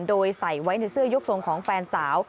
โดยใส่ไว้ในเสื้อยกทรงของแฟนสาว